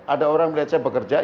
ada orang melihat saya bekerja